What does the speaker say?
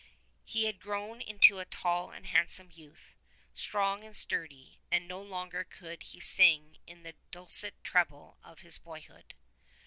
He had grown into a tall and handsome youth, strong and sturdy, and no longer could he sing in the dulcet treble of his boyhood.